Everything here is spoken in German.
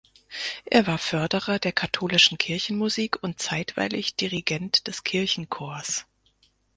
Er war Förderer der katholischen Kirchenmusik und zeitweilig Dirigent des Kirchenchors.